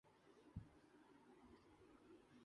ہمارا یقین ہے ضرور لیگا